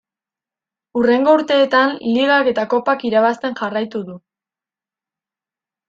Hurrengo urteetan Ligak eta Kopak irabazten jarraitu du.